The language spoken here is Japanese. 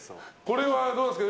これはどうですか？